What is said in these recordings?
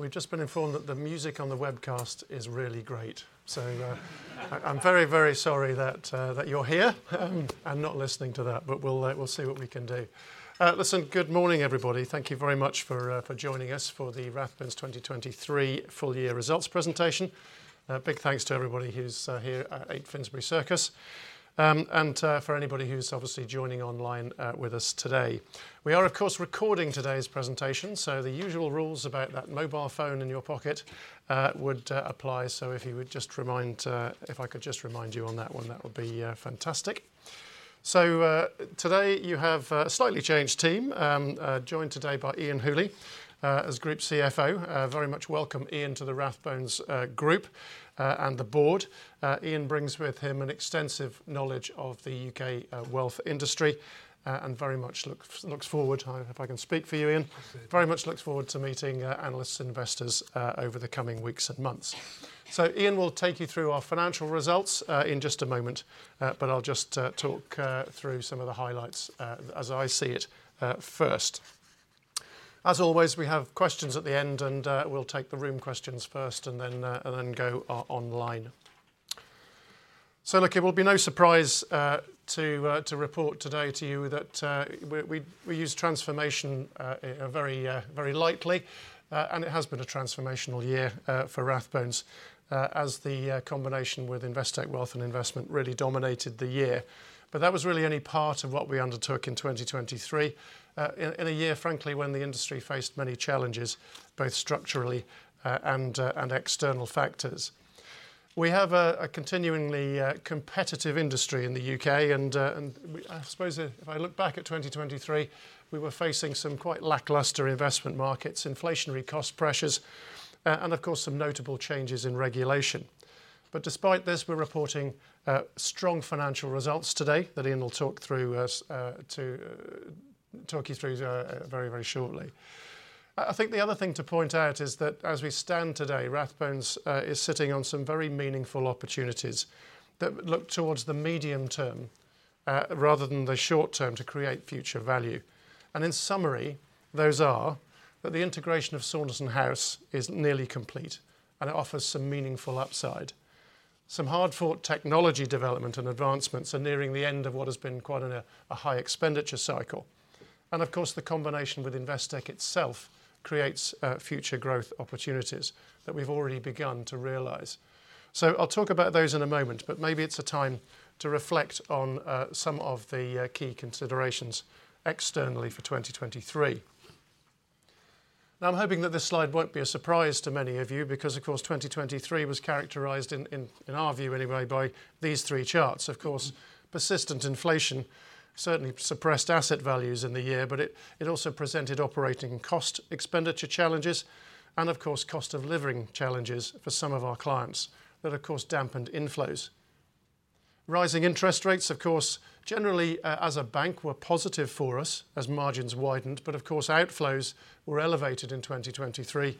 We've just been informed that the music on the webcast is really great. So, I'm very, very sorry that that you're here, and not listening to that, but we'll we'll see what we can do. Listen, good morning, everybody. Thank you very much for for joining us for the Rathbones 2023 full year results presentation. A big thanks to everybody who's here at 8 Finsbury Circus. And for anybody who's obviously joining online with us today. We are, of course, recording today's presentation, so the usual rules about that mobile phone in your pocket would apply. If I could just remind you on that one, that would be fantastic. So, today, you have a slightly changed team, joined today by Iain Hooley, as Group CFO. Very much welcome Iain to the Rathbones group, and the board. Iain brings with him an extensive knowledge of the U.K. wealth industry, and very much looks forward, if I can speak for you, Iain- Absolutely. Very much looks forward to meeting analysts, investors over the coming weeks and months. So Iain will take you through our financial results in just a moment, but I'll just talk through some of the highlights as I see it first. As always, we have questions at the end, and we'll take the room questions first and then go online. So look, it will be no surprise to report today to you that we use transformation very lightly, and it has been a transformational year for Rathbones as the combination with Investec Wealth and Investment really dominated the year. But that was really only part of what we undertook in 2023, in a year, frankly, when the industry faced many challenges, both structurally, and external factors. We have a continuingly competitive industry in the U.K., and we... I suppose if I look back at 2023, we were facing some quite lackluster investment markets, inflationary cost pressures, and of course, some notable changes in regulation. But despite this, we're reporting strong financial results today that Iain will talk you through very, very shortly. I think the other thing to point out is that as we stand today, Rathbones is sitting on some very meaningful opportunities that look towards the medium term, rather than the short term, to create future value. In summary, those are that the integration of Saunderson House is nearly complete, and it offers some meaningful upside. Some hard-fought technology development and advancements are nearing the end of what has been quite a high expenditure cycle. And of course, the combination with Investec itself creates future growth opportunities that we've already begun to realize. So I'll talk about those in a moment, but maybe it's a time to reflect on some of the key considerations externally for 2023. Now, I'm hoping that this slide won't be a surprise to many of you, because, of course, 2023 was characterized in our view anyway, by these three charts. Of course, persistent inflation certainly suppressed asset values in the year, but it also presented operating cost expenditure challenges and, of course, cost of living challenges for some of our clients that, of course, dampened inflows. Rising interest rates, of course, generally, as a bank, were positive for us as margins widened, but of course, outflows were elevated in 2023,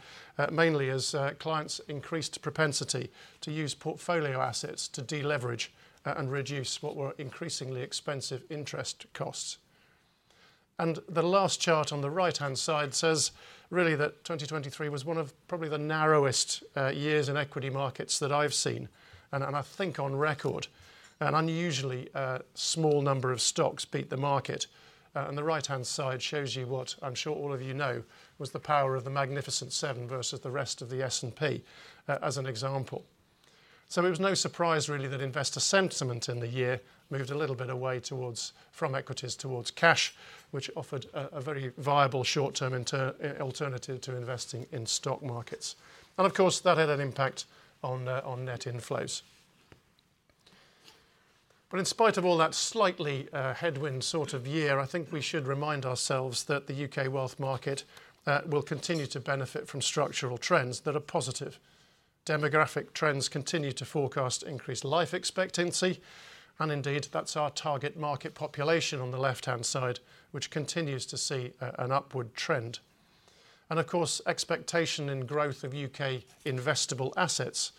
mainly as clients increased propensity to use portfolio assets to deleverage and reduce what were increasingly expensive interest costs. And the last chart on the right-hand side says really that 2023 was one of probably the narrowest years in equity markets that I've seen, and I think on record. An unusually small number of stocks beat the market. And the right-hand side shows you what I'm sure all of you know, was the power of the Magnificent Seven versus the rest of the S&P, as an example. So it was no surprise, really, that investor sentiment in the year moved a little bit away towards from equities towards cash, which offered a very viable short-term alternative to investing in stock markets. And of course, that had an impact on net inflows. But in spite of all that slightly headwind sort of year, I think we should remind ourselves that the UK wealth market will continue to benefit from structural trends that are positive. Demographic trends continue to forecast increased life expectancy, and indeed, that's our target market population on the left-hand side, which continues to see an upward trend. And of course, expectation in growth of U.K. investable assets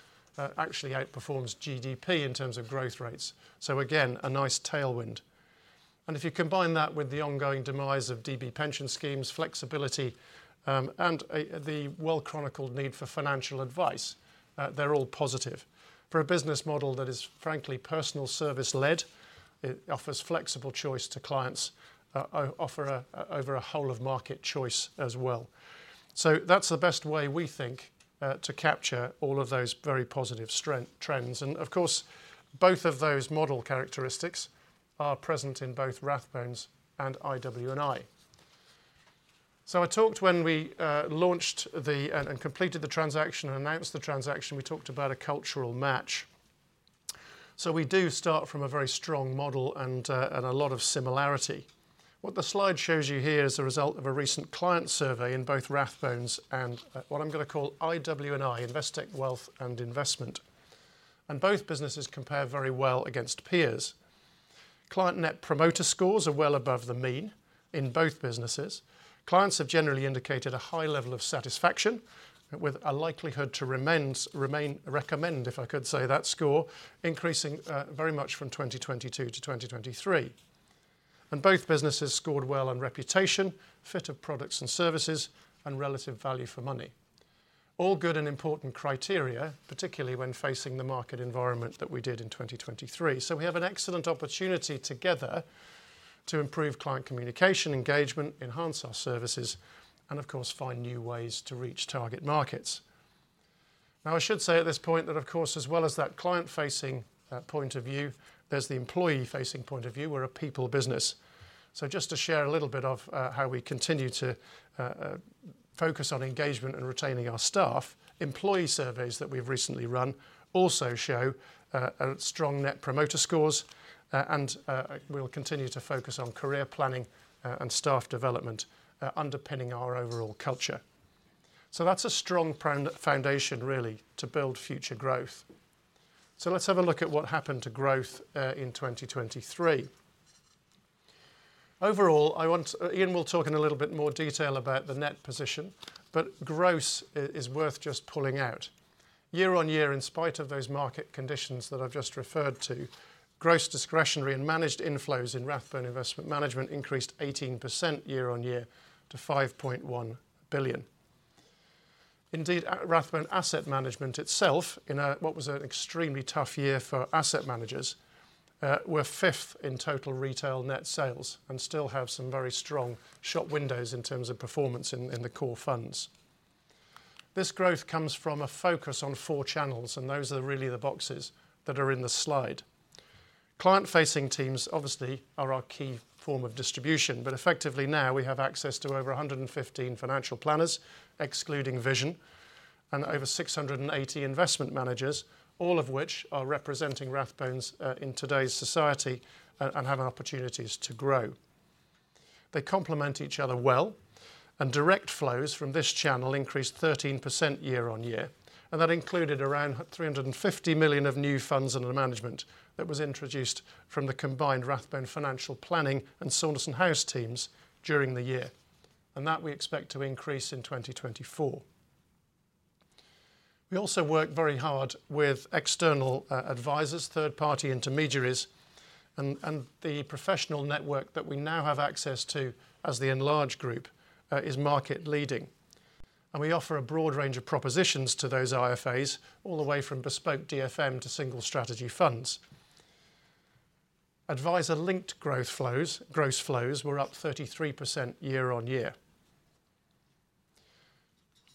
actually outperforms GDP in terms of growth rates. So again, a nice tailwind. And if you combine that with the ongoing demise of DB pension schemes, flexibility, and the well-chronicled need for financial advice, they're all positive. For a business model that is, frankly, personal service-led, it offers flexible choice to clients, offer a whole of market choice as well. So that's the best way we think to capture all of those very positive strength trends. And of course, both of those model characteristics are present in both Rathbones and IW&I. So I talked when we launched and completed the transaction and announced the transaction, we talked about a cultural match. So we do start from a very strong model and a lot of similarity. What the slide shows you here is a result of a recent client survey in both Rathbones and what I'm going to call IW&I, Investec Wealth and Investment. Both businesses compare very well against peers. Client Net Promoter Scores are well above the mean in both businesses. Clients have generally indicated a high level of satisfaction, with a likelihood to recommend, if I could say that score, increasing very much from 2022 to 2023. Both businesses scored well on reputation, fit of products and services, and relative value for money. All good and important criteria, particularly when facing the market environment that we did in 2023. We have an excellent opportunity together to improve client communication, engagement, enhance our services, and of course, find new ways to reach target markets. Now, I should say at this point that, of course, as well as that client-facing point of view, there's the employee-facing point of view. We're a people business. So just to share a little bit of how we continue to focus on engagement and retaining our staff, employee surveys that we've recently run also show a strong Net Promoter Score, and we'll continue to focus on career planning and staff development, underpinning our overall culture. So that's a strong foundation, really, to build future growth. So let's have a look at what happened to growth in 2023. Overall, Iain will talk in a little bit more detail about the net position, but gross is worth just pulling out. Year on year, in spite of those market conditions that I've just referred to, gross discretionary and managed inflows in Rathbone Investment Management increased 18% year on year to 5.1 billion. Indeed, Rathbone Asset Management itself, in a what was an extremely tough year for asset managers, were fifth in total retail net sales and still have some very strong shop windows in terms of performance in the core funds. This growth comes from a focus on four channels, and those are really the boxes that are in the slide. Client-facing teams, obviously, are our key form of distribution, but effectively now, we have access to over 115 financial planners, excluding Vision, and over 680 investment managers, all of which are representing Rathbones in today's society and have opportunities to grow. They complement each other well, and direct flows from this channel increased 13% year-on-year, and that included around 350 million of new funds under management that was introduced from the combined Rathbone Financial Planning and Saunderson House teams during the year, and that we expect to increase in 2024. We also work very hard with external advisors, third-party intermediaries, and the professional network that we now have access to as the enlarged group is market leading. We offer a broad range of propositions to those IFAs, all the way from bespoke DFM to single strategy funds. Advisor-linked growth flows, gross flows, were up 33% year-on-year.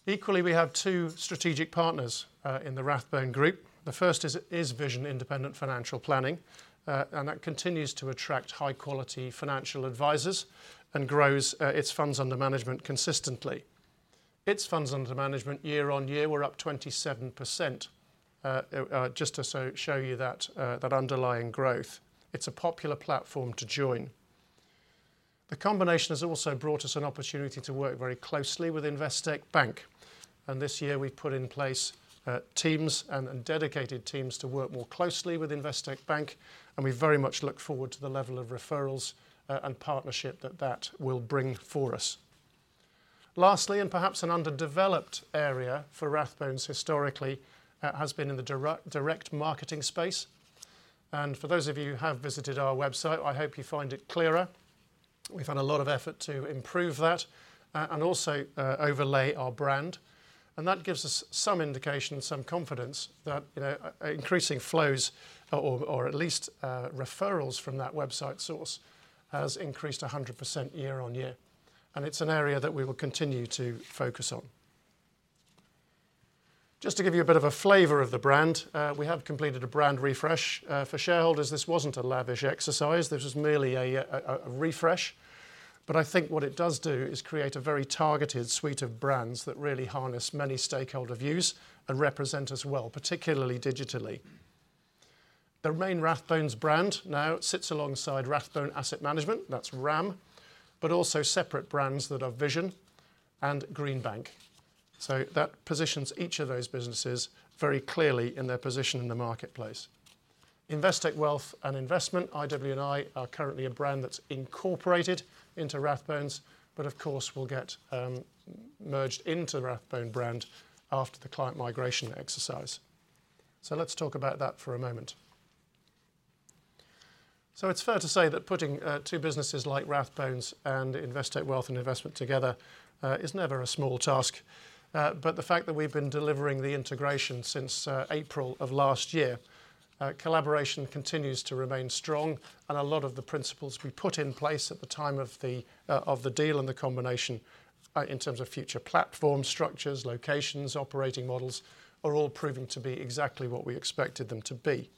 Equally, we have two strategic partners in the Rathbones Group. The first is Vision Independent Financial Planning, and that continues to attract high-quality financial advisors and grows its funds under management consistently. Its funds under management, year on year, were up 27%, just to show you that underlying growth. It's a popular platform to join. The combination has also brought us an opportunity to work very closely with Investec Bank, and this year we've put in place teams and dedicated teams to work more closely with Investec Bank, and we very much look forward to the level of referrals and partnership that will bring for us. Lastly, and perhaps an underdeveloped area for Rathbones historically, has been in the direct marketing space. And for those of you who have visited our website, I hope you find it clearer. We've had a lot of effort to improve that, and also overlay our brand, and that gives us some indication, some confidence that, you know, increasing flows or, or at least, referrals from that website source has increased 100% year on year, and it's an area that we will continue to focus on. Just to give you a bit of a flavor of the brand, we have completed a brand refresh. For shareholders, this wasn't a lavish exercise. This was merely a refresh. But I think what it does do is create a very targeted suite of brands that really harness many stakeholder views and represent us well, particularly digitally. The main Rathbones brand now sits alongside Rathbone Asset Management, that's RAM, but also separate brands that are Vision and Greenbank. So that positions each of those businesses very clearly in their position in the marketplace. Investec Wealth and Investment, IW&I, are currently a brand that's incorporated into Rathbones, but of course, will get merged into the Rathbone brand after the client migration exercise. So let's talk about that for a moment. So it's fair to say that putting two businesses like Rathbones and Investec Wealth and Investment together is never a small task, but the fact that we've been delivering the integration since April of last year, collaboration continues to remain strong, and a lot of the principles we put in place at the time of the deal and the combination in terms of future platforms, structures, locations, operating models, are all proving to be exactly what we expected them to be.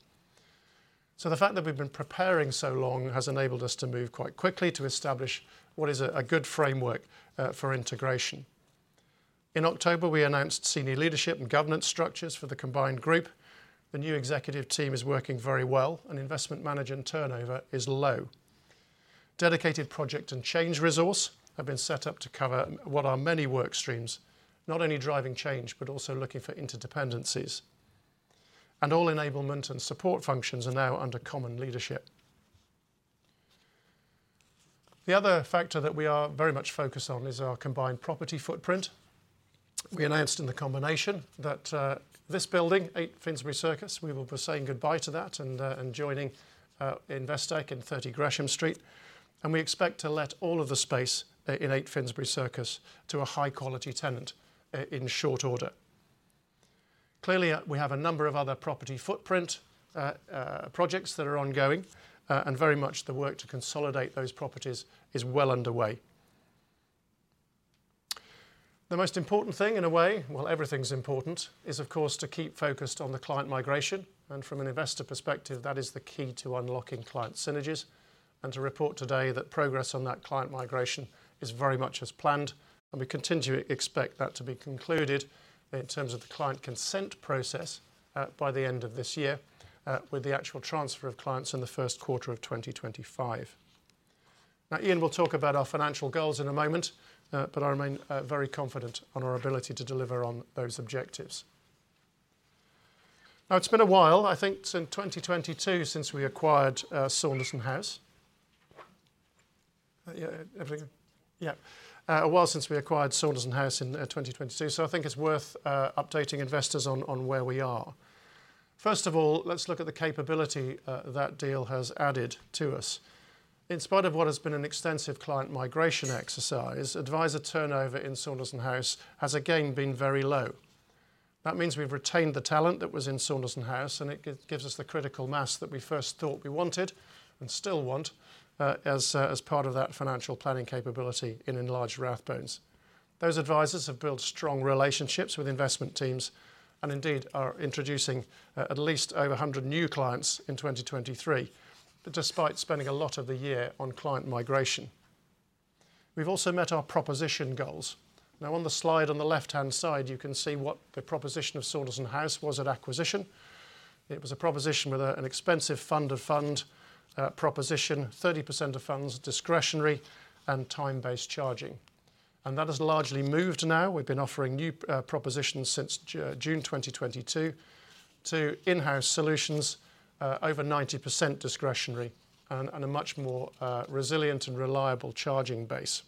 The fact that we've been preparing so long has enabled us to move quite quickly to establish what is a good framework for integration. In October, we announced senior leadership and governance structures for the combined group. The new executive team is working very well, and investment management turnover is low. Dedicated project and change resource have been set up to cover what are many work streams, not only driving change, but also looking for interdependencies. All enablement and support functions are now under common leadership. The other factor that we are very much focused on is our combined property footprint.... We announced in the combination that, this building, 8 Finsbury Circus, we will be saying goodbye to that and, and joining, Investec in 30 Gresham Street, and we expect to let all of the space, in 8 Finsbury Circus to a high-quality tenant in short order. Clearly, we have a number of other property footprint, projects that are ongoing, and very much the work to consolidate those properties is well underway. The most important thing, in a way, well, everything's important, is, of course, to keep focused on the client migration, and from an investor perspective, that is the key to unlocking client synergies and to report today that progress on that client migration is very much as planned, and we continue to expect that to be concluded in terms of the client consent process by the end of this year with the actual transfer of clients in the first quarter of 2025. Now, Iain will talk about our financial goals in a moment, but I remain very confident on our ability to deliver on those objectives. Now, it's been a while, I think since 2022, since we acquired Saunderson House. Yeah, everything... Yeah, a while since we acquired Saunderson House in 2022, so I think it's worth updating investors on where we are. First of all, let's look at the capability that deal has added to us. In spite of what has been an extensive client migration exercise, advisor turnover in Saunderson House has again been very low. That means we've retained the talent that was in Saunderson House, and it gives us the critical mass that we first thought we wanted and still want as part of that financial planning capability in enlarged Rathbones. Those advisors have built strong relationships with investment teams and indeed are introducing at least over 100 new clients in 2023, despite spending a lot of the year on client migration. We've also met our proposition goals. Now, on the slide on the left-hand side, you can see what the proposition of Saunderson House was at acquisition. It was a proposition with a, an expensive fund of fund proposition, 30% of funds discretionary, and time-based charging, and that has largely moved now. We've been offering new propositions since June 2022 to in-house solutions, over 90% discretionary and a much more resilient and reliable charging base.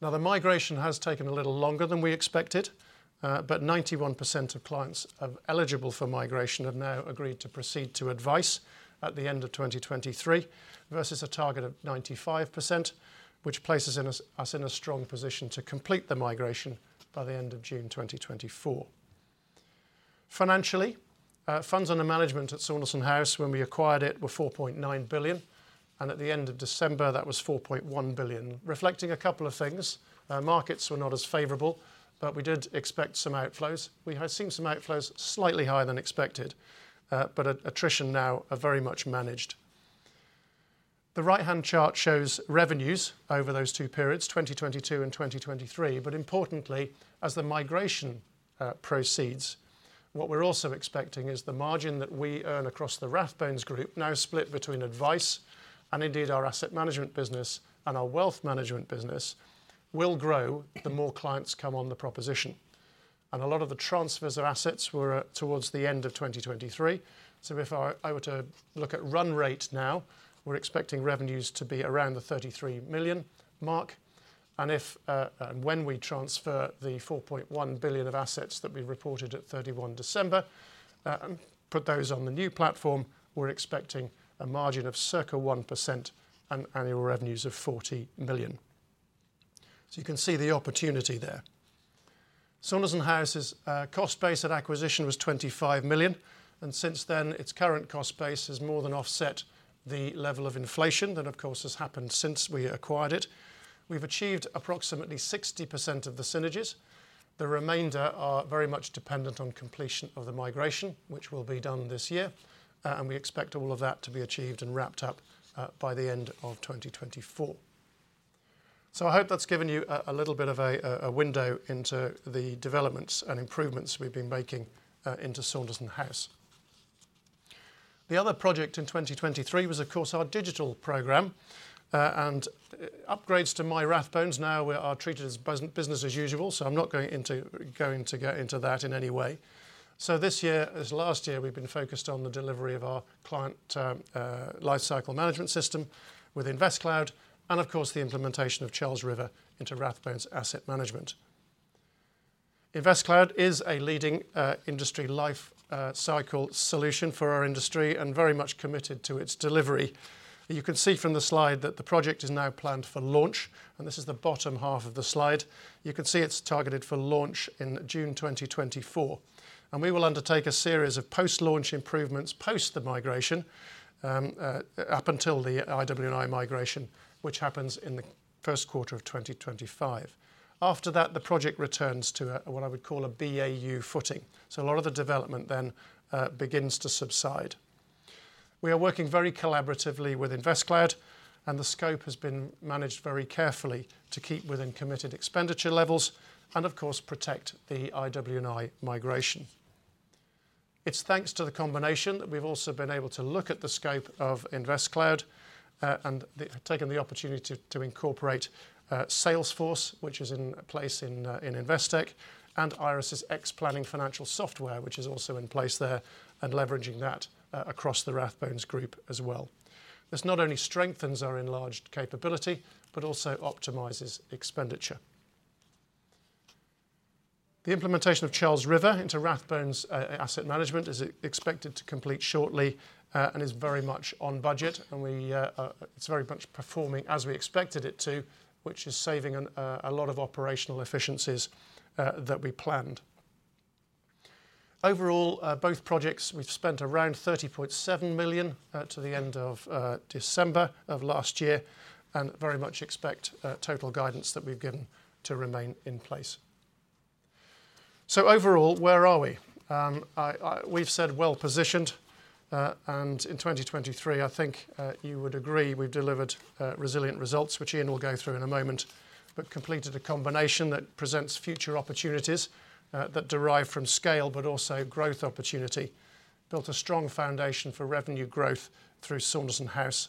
Now, the migration has taken a little longer than we expected, but 91% of clients eligible for migration have now agreed to proceed to advice at the end of 2023, versus a target of 95%, which places us in a strong position to complete the migration by the end of June 2024. Financially, funds under management at Saunderson House when we acquired it were 4.9 billion, and at the end of December, that was 4.1 billion. Reflecting a couple of things, markets were not as favorable, but we did expect some outflows. We have seen some outflows slightly higher than expected, but attrition now are very much managed. The right-hand chart shows revenues over those two periods, 2022 and 2023. Importantly, as the migration proceeds, what we're also expecting is the margin that we earn across the Rathbones Group, now split between advice and indeed our asset management business and our wealth management business, will grow the more clients come on the proposition. A lot of the transfers of assets were towards the end of 2023. So if I, I were to look at run rate now, we're expecting revenues to be around the 33 million mark, and if, and when we transfer the 4.1 billion of assets that we reported at 31 December, put those on the new platform, we're expecting a margin of circa 1% and annual revenues of 40 million. So you can see the opportunity there. Saunderson House's cost base at acquisition was 25 million, and since then, its current cost base has more than offset the level of inflation that, of course, has happened since we acquired it. We've achieved approximately 60% of the synergies. The remainder are very much dependent on completion of the migration, which will be done this year, and we expect all of that to be achieved and wrapped up, by the end of 2024. So I hope that's given you a little bit of a window into the developments and improvements we've been making into Saunderson House. The other project in 2023 was, of course, our digital program and upgrades to MyRathbones; now we're treated as business as usual, so I'm not going to get into that in any way. So this year, as last year, we've been focused on the delivery of our client lifecycle management system with InvestCloud, and of course, the implementation of Charles River into Rathbone Asset Management. InvestCloud is a leading industry lifecycle solution for our industry and very much committed to its delivery. You can see from the slide that the project is now planned for launch, and this is the bottom half of the slide. You can see it's targeted for launch in June 2024, and we will undertake a series of post-launch improvements post the migration up until the IW&I migration, which happens in the first quarter of 2025. After that, the project returns to what I would call a BAU footing, so a lot of the development then begins to subside. We are working very collaboratively with InvestCloud, and the scope has been managed very carefully to keep within committed expenditure levels and of course, protect the IW&I migration. It's thanks to the combination that we've also been able to look at the scope of InvestCloud and taken the opportunity to incorporate Salesforce, which is in place in Investec, and Iress's Xplan financial software, which is also in place there, and leveraging that across the Rathbones Group as well. This not only strengthens our enlarged capability but also optimizes expenditure. The implementation of Charles River into Rathbone Asset Management is expected to complete shortly, and is very much on budget, and it's very much performing as we expected it to, which is saving a lot of operational efficiencies that we planned. Overall, both projects, we've spent around 30.7 million to the end of December of last year, and very much expect total guidance that we've given to remain in place. So overall, where are we? We've said well-positioned, and in 2023, I think you would agree, we've delivered resilient results, which Iain will go through in a moment. But completed a combination that presents future opportunities that derive from scale, but also growth opportunity. Built a strong foundation for revenue growth through Saunderson House,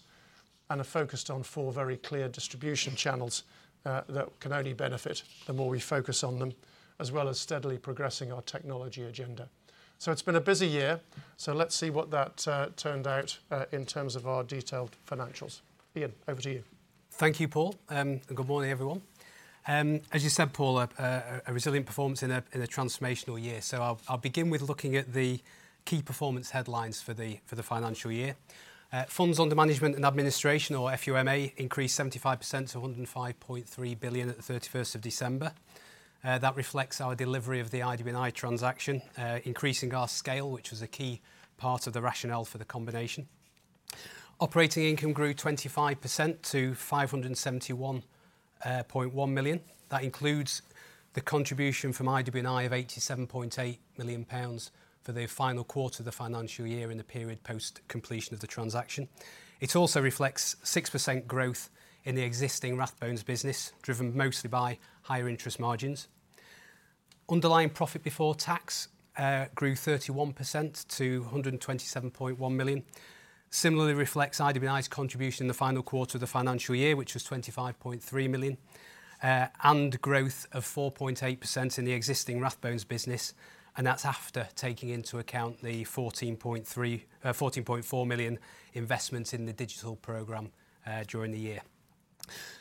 and are focused on four very clear distribution channels, that can only benefit the more we focus on them, as well as steadily progressing our technology agenda. So it's been a busy year, so let's see what that turned out in terms of our detailed financials. Iain, over to you. Thank you, Paul, and good morning, everyone. As you said, Paul, a resilient performance in a transformational year. So I'll begin with looking at the key performance headlines for the financial year. Funds under management and administration, or FUMA, increased 75% to 105.3 billion at the 31st of December. That reflects our delivery of the IW&I transaction, increasing our scale, which was a key part of the rationale for the combination. Operating income grew 25% to 571.1 million. That includes the contribution from IW&I of 87.8 million pounds for the final quarter of the financial year in the period post-completion of the transaction. It also reflects 6% growth in the existing Rathbones business, driven mostly by higher interest margins. Underlying profit before tax grew 31% to 127.1 million. Similarly, reflects IW&I's contribution in the final quarter of the financial year, which was 25.3 million, and growth of 4.8% in the existing Rathbones business, and that's after taking into account the fourteen point four million investment in the digital program during the year.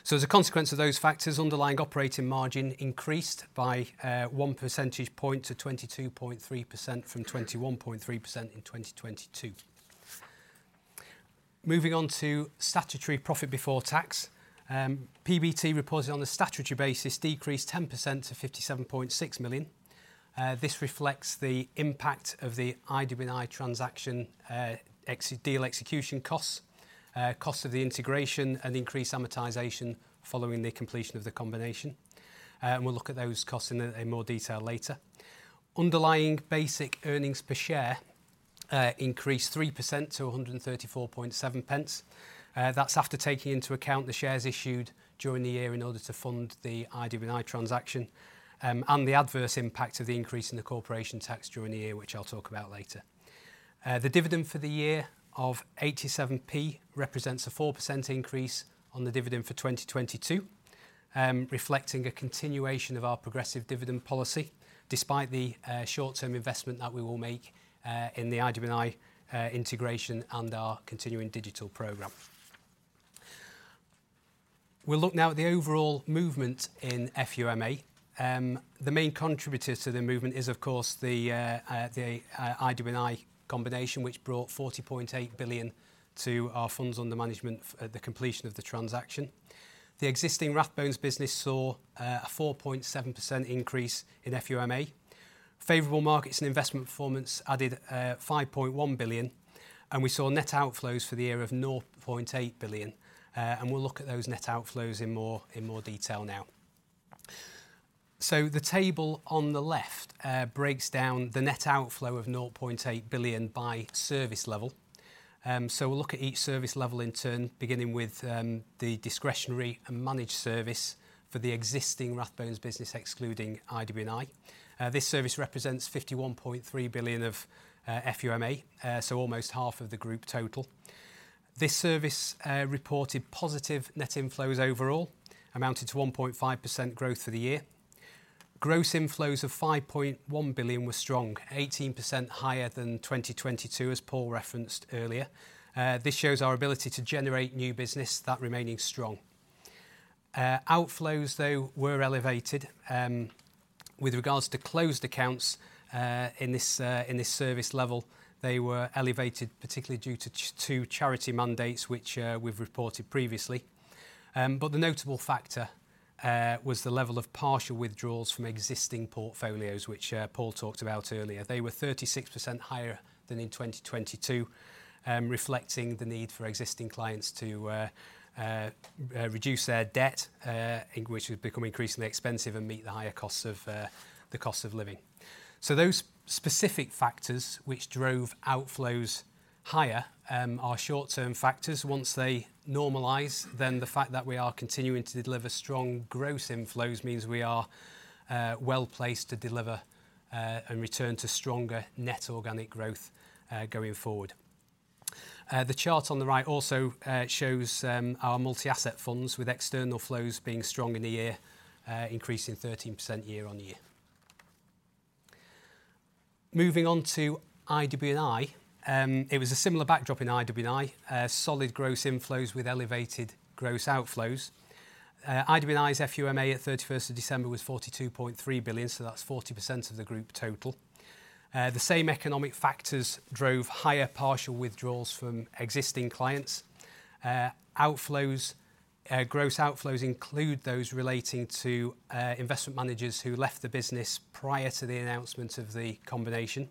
So as a consequence of those factors, underlying operating margin increased by one percentage point to 22.3% from 21.3% in 2022. Moving on to statutory profit before tax, PBT reported on the statutory basis decreased 10% to 57.6 million. This reflects the impact of the IW&I transaction, ex- deal execution costs, cost of the integration, and increased amortization following the completion of the combination. We'll look at those costs in more detail later. Underlying basic earnings per share increased 3% to 134.7 pence. That's after taking into account the shares issued during the year in order to fund the IW&I transaction, and the adverse impact of the increase in the corporation tax during the year, which I'll talk about later. The dividend for the year of 87p represents a 4% increase on the dividend for 2022, reflecting a continuation of our progressive dividend policy, despite the short-term investment that we will make in the IW&I integration and our continuing digital program. We'll look now at the overall movement in FUMA. The main contributor to the movement is, of course, the IW&I combination, which brought 40.8 billion to our funds under management at the completion of the transaction. The existing Rathbones business saw a 4.7% increase in FUMA. Favorable markets and investment performance added 5.1 billion, and we saw net outflows for the year of 0.8 billion. And we'll look at those net outflows in more detail now. So the table on the left breaks down the net outflow of 0.8 billion by service level. So we'll look at each service level in turn, beginning with the discretionary and managed service for the existing Rathbones business, excluding IW&I. This service represents 51.3 billion of FUMA, so almost half of the group total. This service reported positive net inflows overall, amounting to 1.5% growth for the year. Gross inflows of 5.1 billion were strong, 18% higher than 2022, as Paul referenced earlier. This shows our ability to generate new business, that remaining strong. Outflows, though, were elevated with regards to closed accounts in this service level. They were elevated, particularly due to to charity mandates, which we've reported previously. But the notable factor was the level of partial withdrawals from existing portfolios, which Paul talked about earlier. They were 36% higher than in 2022, reflecting the need for existing clients to reduce their debt, in which has become increasingly expensive, and meet the higher costs of the cost of living. So those specific factors which drove outflows higher, are short-term factors. Once they normalize, then the fact that we are continuing to deliver strong gross inflows means we are, well-placed to deliver, and return to stronger net organic growth, going forward. The chart on the right also, shows, our multi-asset funds, with external flows being strong in the year, increasing 13% year-on-year. Moving on to IW&I. It was a similar backdrop in IW&I. Solid gross inflows with elevated gross outflows. IW&I's FUMA at 31st of December was 42.3 billion, so that's 40% of the group total. The same economic factors drove higher partial withdrawals from existing clients. Outflows, gross outflows include those relating to, investment managers who left the business prior to the announcement of the combination.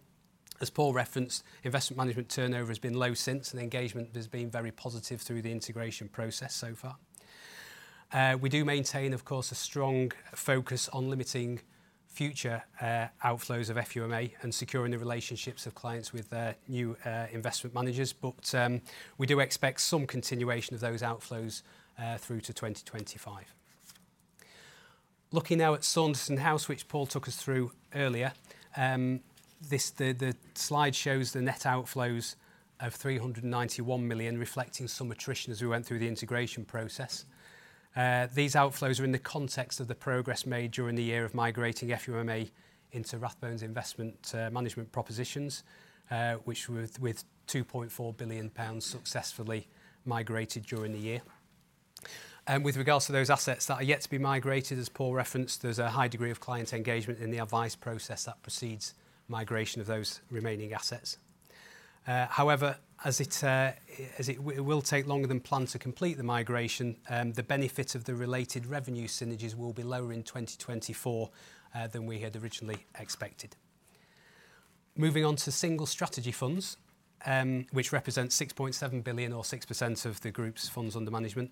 As Paul referenced, investment management turnover has been low since, and engagement has been very positive through the integration process so far. We do maintain, of course, a strong focus on limiting future outflows of FUMA and securing the relationships of clients with their new investment managers. But we do expect some continuation of those outflows through to 2025. Looking now at Saunderson House, which Paul took us through earlier, this slide shows the net outflows of 391 million, reflecting some attrition as we went through the integration process. These outflows are in the context of the progress made during the year of migrating FUMA into Rathbones' investment management propositions, which, with 2.4 billion pounds successfully migrated during the year. With regards to those assets that are yet to be migrated, as Paul referenced, there's a high degree of client engagement in the advice process that precedes migration of those remaining assets. However, it will take longer than planned to complete the migration, the benefit of the related revenue synergies will be lower in 2024 than we had originally expected. Moving on to single strategy funds, which represent 6.7 billion or 6% of the group's funds under management.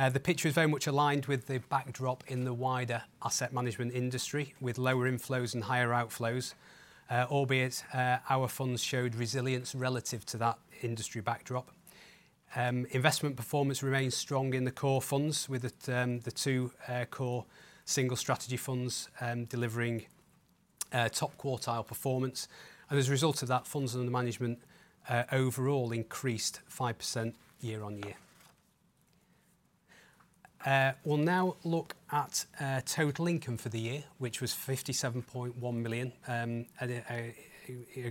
The picture is very much aligned with the backdrop in the wider asset management industry, with lower inflows and higher outflows. Albeit, our funds showed resilience relative to that industry backdrop. Investment performance remains strong in the core funds, with the 2 core single strategy funds delivering top-quartile performance. And as a result of that, funds under management overall increased 5% year-on-year. We'll now look at total income for the year, which was 57.1 million, at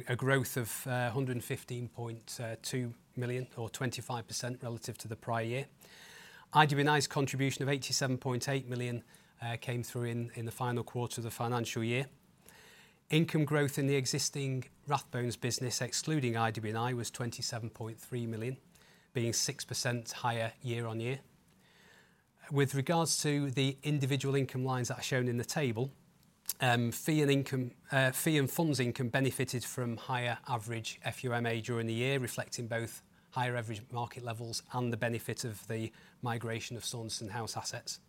a growth of 115.2 million, or 25% relative to the prior year. IW&I's contribution of 87.8 million came through in the final quarter of the financial year. Income growth in the existing Rathbones business, excluding IW&I, was 27.3 million, being 6% higher year-on-year. With regards to the individual income lines that are shown in the table, fee and income... Fee and funds income benefited from higher average FUMA during the year, reflecting both higher average market levels and the benefit of the migration of Saunderson House assets.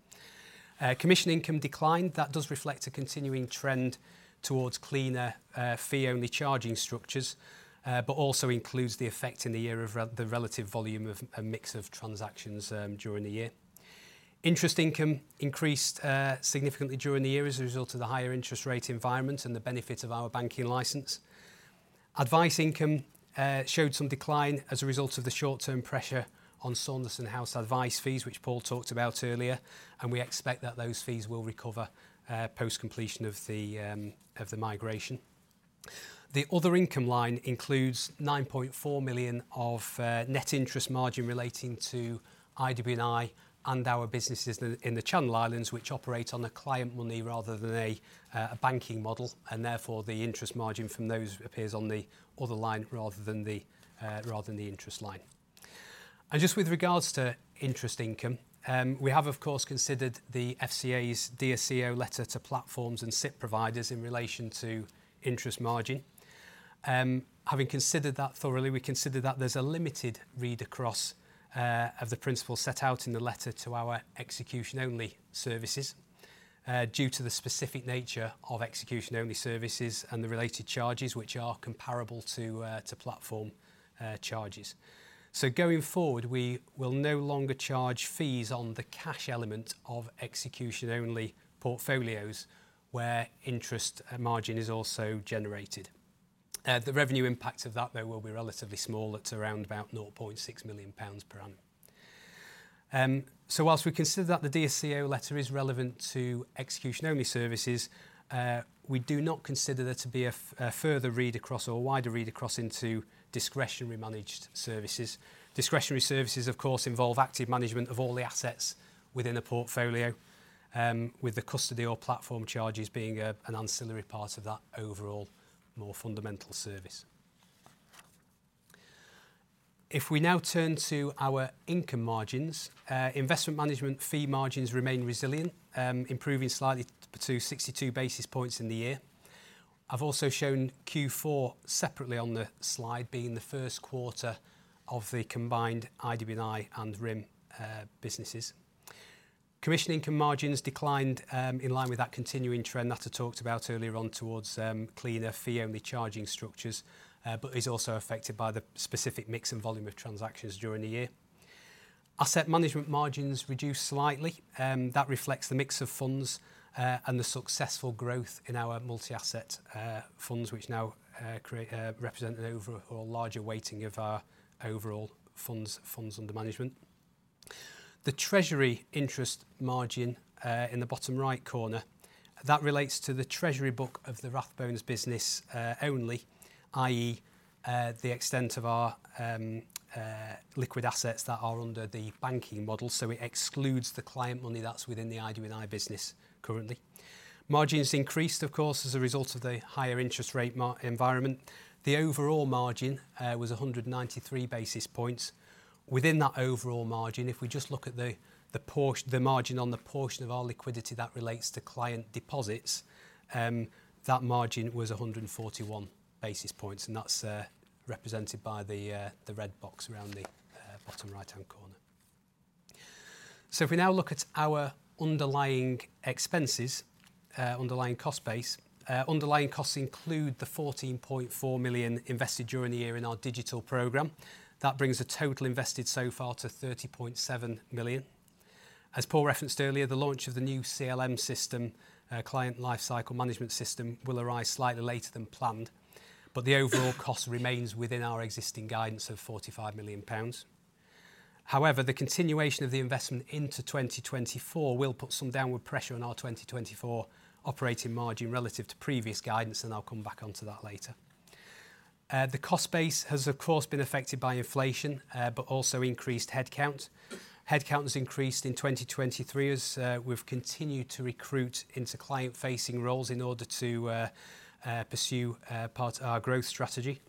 Commission income declined. That does reflect a continuing trend towards cleaner, fee-only charging structures, but also includes the effect in the year of the relative volume of a mix of transactions, during the year. Interest income increased, significantly during the year as a result of the higher interest rate environment and the benefit of our banking license. Advice income, showed some decline as a result of the short-term pressure on Saunderson House advice fees, which Paul talked about earlier, and we expect that those fees will recover, post-completion of the migration. The other income line includes 9.4 million of net interest margin relating to IW&I and our businesses in the Channel Islands, which operate on a client money rather than a banking model, and therefore, the interest margin from those appears on the other line, rather than the interest line. And just with regards to interest income, we have, of course, considered the FCA's Dear CEO letter to platforms and SIPP providers in relation to interest margin. Having considered that thoroughly, we consider that there's a limited read-across of the principles set out in the letter to our execution-only services due to the specific nature of execution-only services and the related charges, which are comparable to platform charges. So going forward, we will no longer charge fees on the cash element of execution-only portfolios where interest margin is also generated. The revenue impact of that, though, will be relatively small. It's around about 0.6 million pounds per annum. So while we consider that the Dear CEO letter is relevant to execution-only services, we do not consider there to be a further read-across or a wider read-across into discretionary managed services. Discretionary services, of course, involve active management of all the assets within a portfolio, with the custody or platform charges being an ancillary part of that overall more fundamental service. If we now turn to our income margins, investment management fee margins remain resilient, improving slightly to 62 basis points in the year. I've also shown Q4 separately on the slide, being the first quarter of the combined IW&I and RIM businesses. Commission income margins declined in line with that continuing trend that I talked about earlier on towards cleaner fee-only charging structures, but is also affected by the specific mix and volume of transactions during the year. Asset management margins reduced slightly, that reflects the mix of funds and the successful growth in our multi-asset funds, which now represent an overall larger weighting of our overall funds under management. The treasury interest margin in the bottom right corner, that relates to the treasury book of the Rathbones business only, i.e., the extent of our liquid assets that are under the banking model. So it excludes the client money that's within the IW&I business currently. Margins increased, of course, as a result of the higher interest rate environment. The overall margin was 193 basis points. Within that overall margin, if we just look at the margin on the portion of our liquidity that relates to client deposits, that margin was 141 basis points, and that's represented by the red box around the bottom right-hand corner. So if we now look at our underlying expenses, underlying cost base, underlying costs include the 14.4 million invested during the year in our digital program. That brings the total invested so far to 30.7 million. As Paul referenced earlier, the launch of the new CLM system, Client Lifecycle Management system, will arrive slightly later than planned, but the overall cost remains within our existing guidance of GBP 45 million. However, the continuation of the investment into 2024 will put some downward pressure on our 2024 operating margin relative to previous guidance, and I'll come back onto that later. The cost base has, of course, been affected by inflation, but also increased headcount. Headcount has increased in 2023 as, we've continued to recruit into client-facing roles in order to, pursue, part of our growth strategy.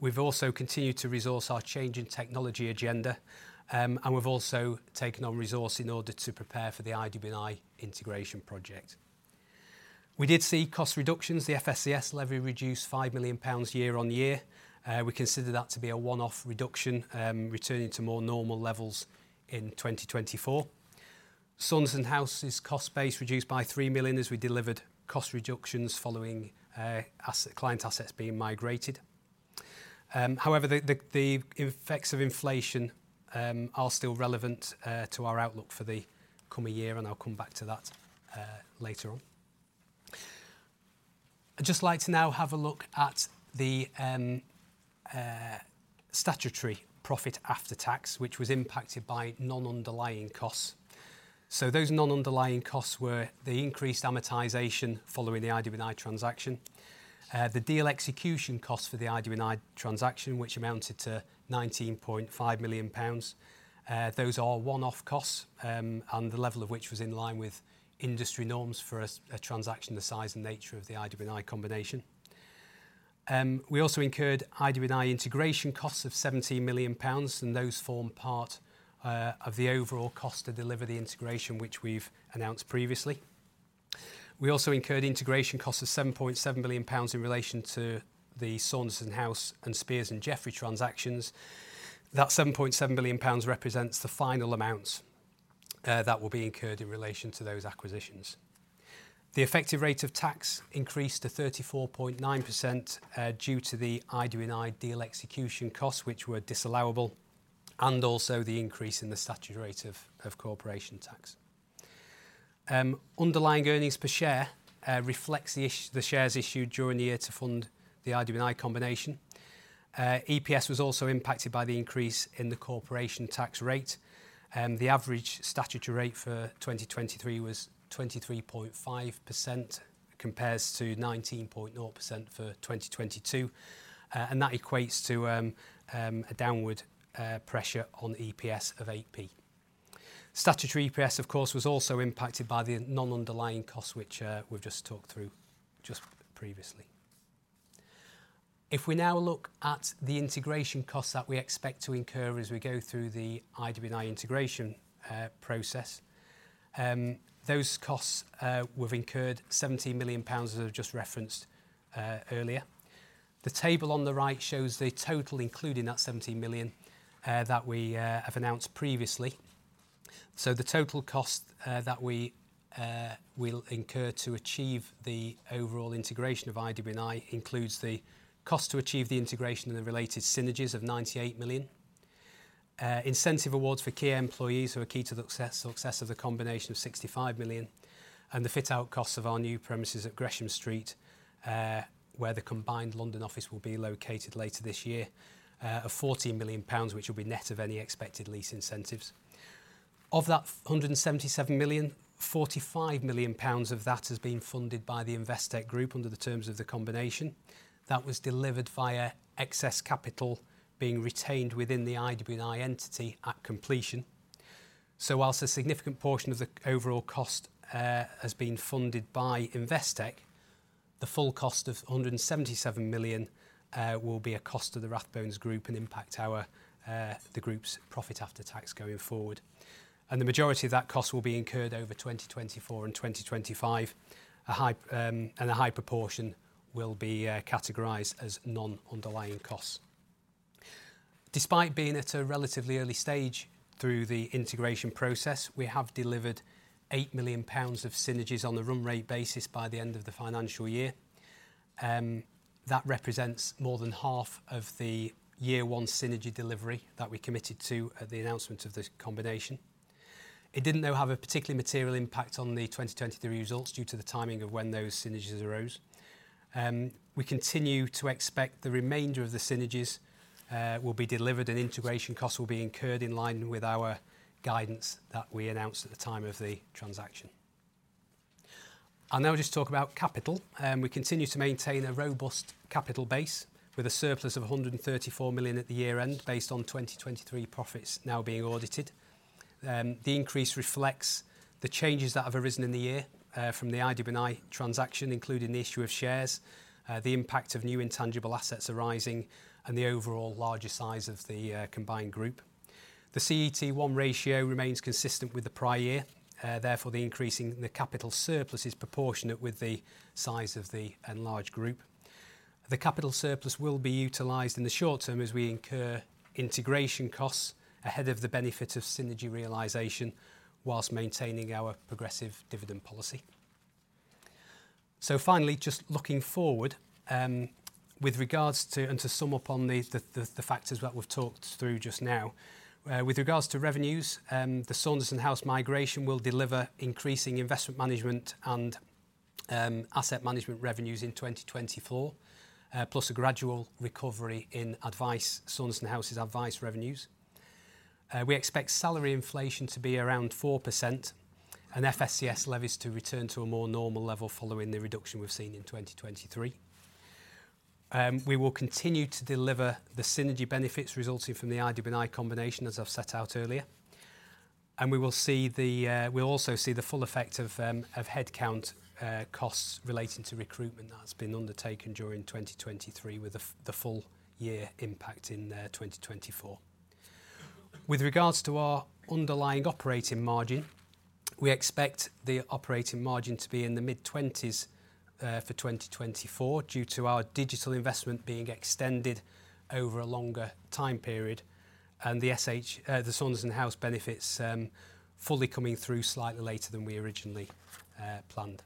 We've also continued to resource our change in technology agenda, and we've also taken on resource in order to prepare for the IW&I integration project. We did see cost reductions. The FSCS levy reduced 5 million pounds year-over-year. We consider that to be a one-off reduction, returning to more normal levels in 2024. Saunderson House's cost base reduced by 3 million as we delivered cost reductions following client assets being migrated. However, the effects of inflation are still relevant to our outlook for the coming year, and I'll come back to that later on. I'd just like to now have a look at the statutory profit after tax, which was impacted by non-underlying costs. So those non-underlying costs were the increased amortization following the IW&I transaction, the deal execution cost for the IW&I transaction, which amounted to 19.5 million pounds. Those are one-off costs, and the level of which was in line with industry norms for a transaction the size and nature of the IW&I combination. We also incurred IW&I integration costs of 17 million pounds, and those form part of the overall cost to deliver the integration, which we've announced previously. We also incurred integration costs of 7.7 billion pounds in relation to the Saunderson House and Speirs & Jeffrey transactions. That 7.7 billion pounds represents the final amount that will be incurred in relation to those acquisitions. The effective rate of tax increased to 34.9% due to the IW&I deal execution costs, which were disallowable, and also the increase in the statutory rate of corporation tax. Underlying earnings per share reflects the shares issued during the year to fund the IW&I combination. EPS was also impacted by the increase in the corporation tax rate, the average statutory rate for 2023 was 23.5%, compares to 19.0% for 2022, and that equates to a downward pressure on EPS of 8p. Statutory EPS, of course, was also impacted by the non-underlying costs, which we've just talked through just previously. If we now look at the integration costs that we expect to incur as we go through the IW&I integration process, those costs, we've incurred GBP 17 million, as I've just referenced earlier. The table on the right shows the total, including that 17 million, that we have announced previously. So the total cost that we will incur to achieve the overall integration of IW&I includes the cost to achieve the integration and the related synergies of 98 million, incentive awards for key employees who are key to the success of the combination of 65 million, and the fit-out costs of our new premises at Gresham Street, where the combined London office will be located later this year, of GBP 40 million, which will be net of any expected lease incentives. Of that 177 million, 45 million pounds of that has been funded by the Investec Group under the terms of the combination. That was delivered via excess capital being retained within the IW&I entity at completion. So while a significant portion of the overall cost has been funded by Investec, the full cost of 177 million will be a cost to the Rathbones Group and impact the group's profit after tax going forward. And the majority of that cost will be incurred over 2024 and 2025, and a high proportion will be categorized as non-underlying costs. Despite being at a relatively early stage through the integration process, we have delivered 8 million pounds of synergies on a run-rate basis by the end of the financial year. That represents more than half of the year one synergy delivery that we committed to at the announcement of this combination. It didn't, though, have a particularly material impact on the 2023 results due to the timing of when those synergies arose. We continue to expect the remainder of the synergies will be delivered, and integration costs will be incurred in line with our guidance that we announced at the time of the transaction. I'll now just talk about capital. We continue to maintain a robust capital base, with a surplus of 134 million at the year-end, based on 2023 profits now being audited. The increase reflects the changes that have arisen in the year from the IW&I transaction, including the issue of shares, the impact of new intangible assets arising, and the overall larger size of the combined group. The CET1 ratio remains consistent with the prior year, therefore, the increase in the capital surplus is proportionate with the size of the enlarged group. The capital surplus will be utilized in the short term as we incur integration costs ahead of the benefit of synergy realization, while maintaining our progressive dividend policy. So finally, just looking forward, with regards to, and to sum up on the factors that we've talked through just now. With regards to revenues, the Saunderson House migration will deliver increasing investment management and asset management revenues in 2024, plus a gradual recovery in advice, Saunderson House's advice revenues. We expect salary inflation to be around 4%, and FSCS levies to return to a more normal level following the reduction we've seen in 2023. We will continue to deliver the synergy benefits resulting from the IW&I combination, as I've set out earlier. And we will see the... We'll also see the full effect of headcount costs relating to recruitment that's been undertaken during 2023, with the full year impact in 2024. With regards to our underlying operating margin, we expect the operating margin to be in the mid-20s for 2024, due to our digital investment being extended over a longer time period, and the Saunderson House benefits fully coming through slightly later than we originally planned.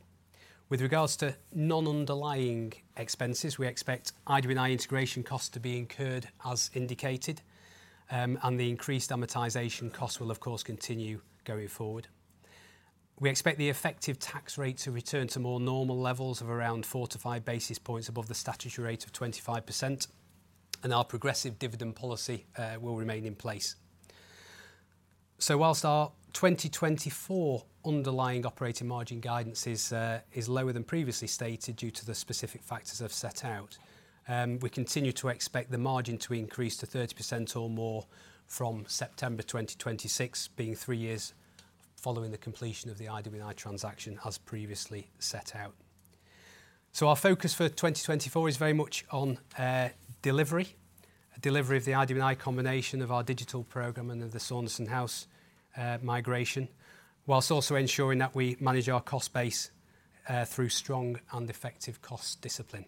With regards to non-underlying expenses, we expect IW&I integration costs to be incurred, as indicated, and the increased amortization costs will, of course, continue going forward. We expect the effective tax rate to return to more normal levels of around 4-5 basis points above the statutory rate of 25%, and our progressive dividend policy will remain in place. So while our 2024 underlying operating margin guidance is lower than previously stated due to the specific factors I've set out, we continue to expect the margin to increase to 30% or more from September 2026, being three years following the completion of the IW&I transaction, as previously set out. So our focus for 2024 is very much on delivery. Delivery of the IW&I combination of our digital program and of the Saunderson House migration, while also ensuring that we manage our cost base through strong and effective cost discipline.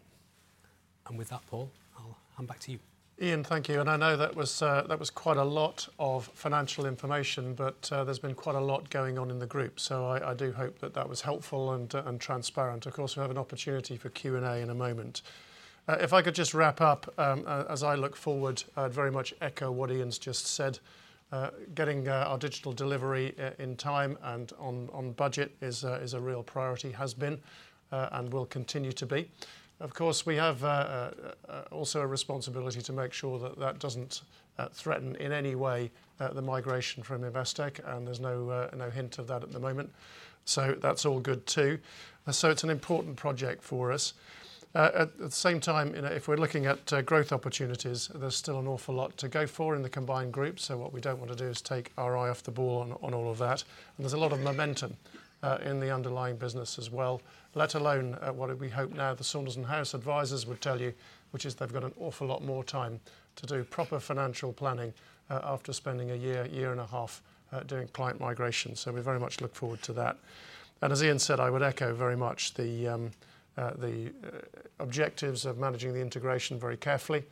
And with that, Paul, I'll hand back to you. Ian, thank you. I know that was quite a lot of financial information, but there's been quite a lot going on in the group. I do hope that that was helpful and transparent. Of course, we have an opportunity for Q&A in a moment. If I could just wrap up, as I look forward, I'd very much echo what Ian's just said. Getting our digital delivery in time and on budget is a real priority, has been, and will continue to be. Of course, we have also a responsibility to make sure that that doesn't threaten in any way the migration from Investec, and there's no hint of that at the moment. That's all good, too. It's an important project for us. At the same time, you know, if we're looking at growth opportunities, there's still an awful lot to go for in the combined group. So what we don't want to do is take our eye off the ball on all of that. And there's a lot of momentum in the underlying business as well, let alone what we hope now the Saunderson House advisors will tell you, which is they've got an awful lot more time to do proper financial planning after spending a year, a year and a half doing client migration. So we very much look forward to that. And as Iain said, I would echo very much the objectives of managing the integration very carefully.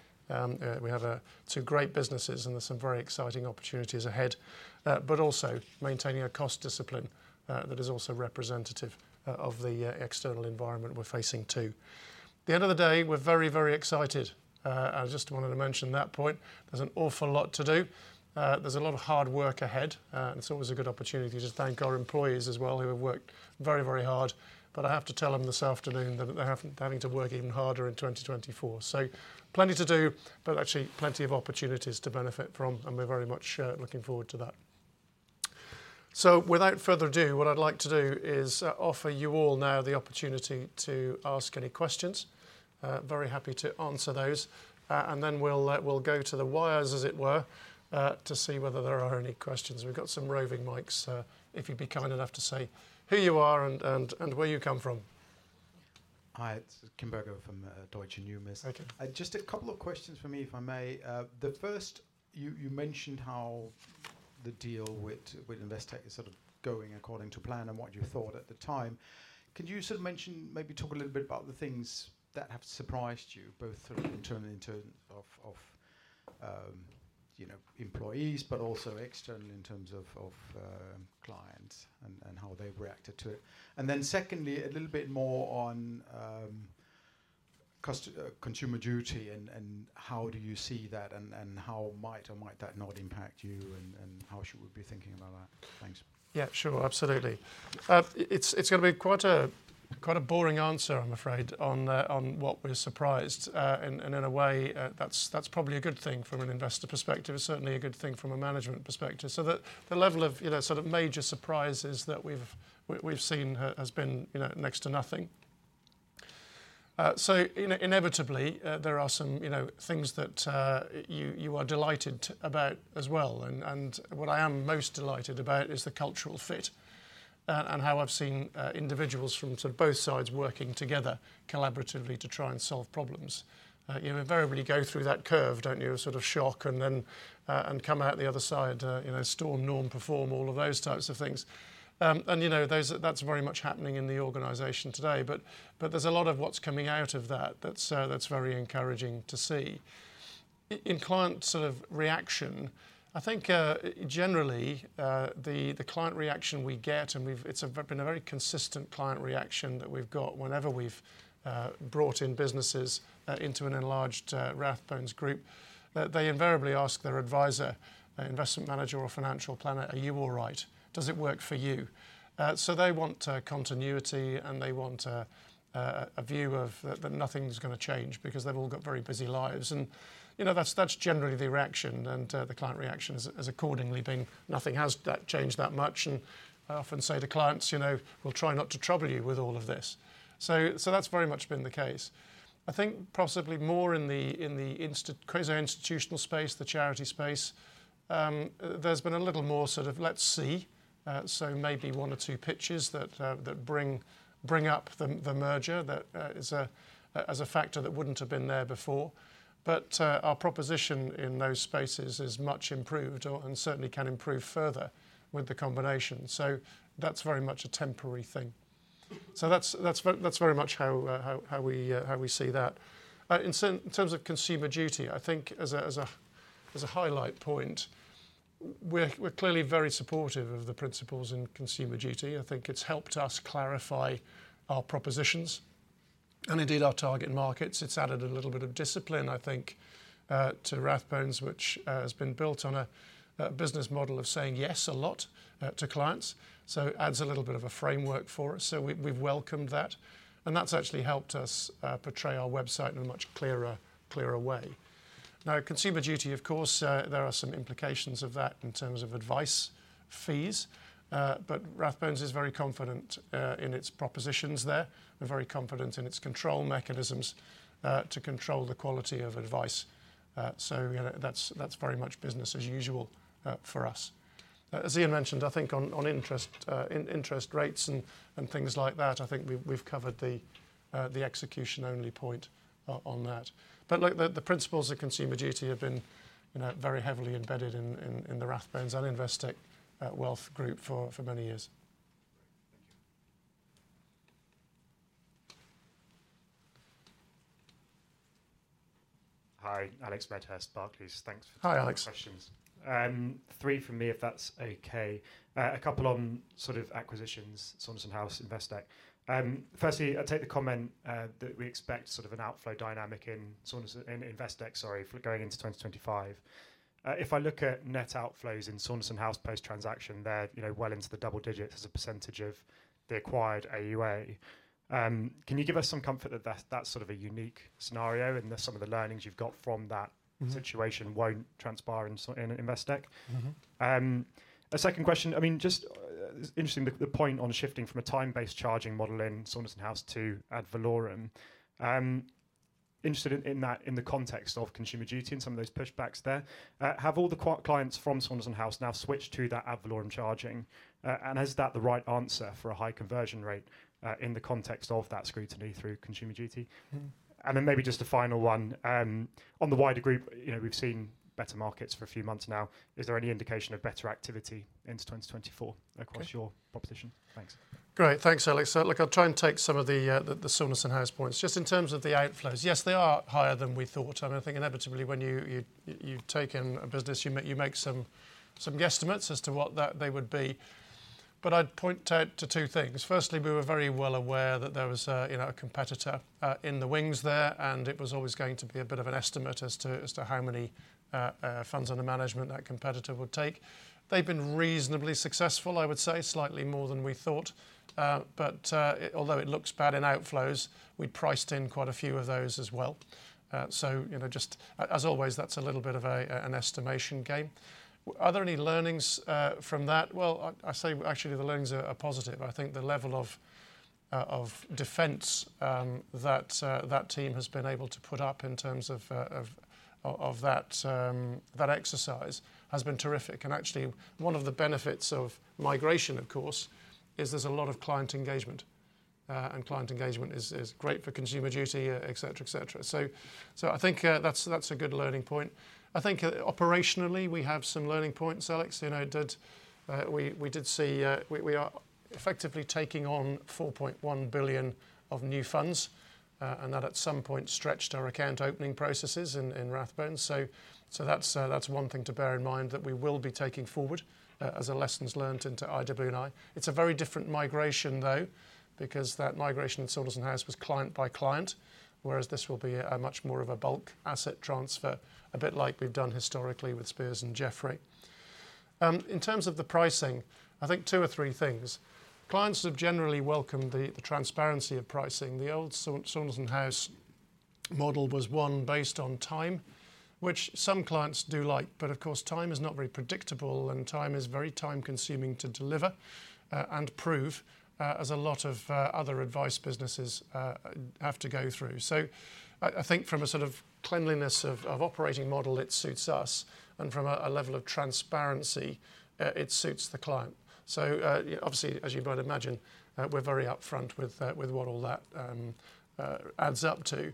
We have two great businesses, and there are some very exciting opportunities ahead. But also maintaining a cost discipline that is also representative of the external environment we're facing, too. At the end of the day, we're very, very excited. I just wanted to mention that point. There's an awful lot to do. There's a lot of hard work ahead, and it's always a good opportunity to thank our employees as well, who have worked very, very hard. But I have to tell them this afternoon that they're having to work even harder in 2024. So plenty to do, but actually plenty of opportunities to benefit from, and we're very much looking forward to that. So without further ado, what I'd like to do is offer you all now the opportunity to ask any questions. Very happy to answer those. Then we'll go to the wires, as it were, to see whether there are any questions. We've got some roving mics, if you'd be kind enough to say who you are and where you come from. Hi, it's Kim Bergoe from Deutsche Numis. Okay. Just a couple of questions from me, if I may. The first, you mentioned how the deal with Investec is sort of going according to plan and what you thought at the time. Could you sort of mention, maybe talk a little bit about the things that have surprised you, both sort of internally in terms of you know, employees, but also externally in terms of clients and how they've reacted to it? And then secondly, a little bit more on consumer duty, and how do you see that? And how might or might not impact you, and how should we be thinking about that? Thanks. Yeah, sure. Absolutely. It's gonna be quite a boring answer, I'm afraid, on what we're surprised. And in a way, that's probably a good thing from an investor perspective. It's certainly a good thing from a management perspective. So the level of, you know, sort of major surprises that we've seen has been, you know, next to nothing. So inevitably, there are some, you know, things that you are delighted about as well, and what I am most delighted about is the cultural fit, and how I've seen individuals from sort of both sides working together collaboratively to try and solve problems. You invariably go through that curve, don't you? A sort of shock, and then come out the other side, you know, storm, norm, perform, all of those types of things. And, you know, there's—that's very much happening in the organization today, but there's a lot of what's coming out of that that's very encouraging to see. In client sort of reaction, I think, generally, the client reaction we get, and we've—it's been a very consistent client reaction that we've got whenever we've brought in businesses into an enlarged Rathbones Group, that they invariably ask their advisor, investment manager or financial planner: "Are you all right? Does it work for you?" So they want continuity, and they want a view that nothing's gonna change because they've all got very busy lives, and, you know, that's generally the reaction. And the client reaction has accordingly been, nothing has changed that much, and I often say to clients, "You know, we'll try not to trouble you with all of this." So that's very much been the case. I think possibly more in the quasi-institutional space, the charity space, there's been a little more sort of, "Let's see." So maybe one or two pitches that bring up the merger as a factor that wouldn't have been there before. But, our proposition in those spaces is much improved or, and certainly can improve further with the combination. So that's very much a temporary thing. So that's very much how we see that. In terms of Consumer Duty, I think as a highlight point, we're clearly very supportive of the principles in Consumer Duty. I think it's helped us clarify our propositions and indeed, our target markets. It's added a little bit of discipline, I think, to Rathbones, which has been built on a business model of saying yes a lot to clients, so adds a little bit of a framework for us. So we've welcomed that, and that's actually helped us portray our website in a much clearer way. Now, Consumer Duty, of course, there are some implications of that in terms of advice fees, but Rathbones is very confident in its propositions there. We're very confident in its control mechanisms to control the quality of advice. So, you know, that's very much business as usual for us. As Iain mentioned, I think on interest rates and things like that, I think we've covered the execution-only point on that. But look, the principles of Consumer Duty have been, you know, very heavily embedded in the Rathbones and Investec wealth group for many years. Thank you. Hi, Alex Medhurst, Barclays. Thanks- Hi, Alex. -questions. Three from me, if that's okay. A couple on sort of acquisitions, Saunderson House, Investec. Firstly, I take the comment, that we expect sort of an outflow dynamic in Saunderson-- in Investec, sorry, for going into 2025. If I look at net outflows in Saunderson House post-transaction, they're, you know, well into the double digits% of the acquired AUA. Can you give us some comfort that that's, that's sort of a unique scenario, and that some of the learnings you've got from that-... situation won't transpire in Investec? A second question, I mean, just, it's interesting, the point on shifting from a time-based charging model in Saunderson House to ad valorem. I'm interested in that in the context of Consumer Duty and some of those pushbacks there. Have all the clients from Saunderson House now switched to that ad valorem charging? And is that the right answer for a high conversion rate in the context of that scrutiny through Consumer Duty? And then maybe just a final one, on the wider group, you know, we've seen better markets for a few months now. Is there any indication of better activity into 2024- Okay... across your proposition? Thanks. Great. Thanks, Alex. So look, I'll try and take some of the Saunderson House points. Just in terms of the outflows, yes, they are higher than we thought, and I think inevitably when you take in a business, you make some guesstimates as to what that they would be. But I'd point out to two things. Firstly, we were very well aware that there was a, you know, a competitor in the wings there, and it was always going to be a bit of an estimate as to how many funds under management that competitor would take. They've been reasonably successful, I would say, slightly more than we thought. But although it looks bad in outflows, we'd priced in quite a few of those as well. So, you know, just as always, that's a little bit of a estimation game. Are there any learnings from that? Well, I say actually, the learnings are positive. I think the level of defense that team has been able to put up in terms of that exercise has been terrific. And actually, one of the benefits of migration, of course, is there's a lot of client engagement and client engagement is great for Consumer Duty, et cetera, et cetera. So I think that's a good learning point. I think operationally, we have some learning points, Alex. You know, did... We did see we are effectively taking on 4.1 billion of new funds, and that at some point stretched our account opening processes in Rathbones. So that's one thing to bear in mind that we will be taking forward as lessons learnt into IW&I. It's a very different migration, though, because that migration at Saunderson House was client by client, whereas this will be a much more of a bulk asset transfer, a bit like we've done historically with Speirs & Jeffrey. In terms of the pricing, I think two or three things. Clients have generally welcomed the transparency of pricing. The old Saunderson House model was one based on time, which some clients do like. But of course, time is not very predictable, and time is very time-consuming to deliver and prove, as a lot of other advice businesses have to go through. So I think from a sort of cleanliness of operating model, it suits us, and from a level of transparency, it suits the client. So obviously, as you might imagine, we're very upfront with what all that adds up to.